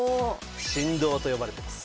神童と呼ばれてます。